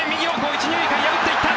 １・２塁間を破っていった！